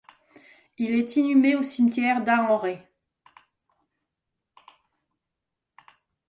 Il est inhumé au cimetière d'Ars-en-Ré.